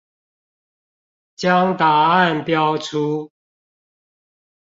將答案標出